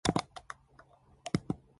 There were no shows.